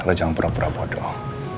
lo jangan pura pura bodoh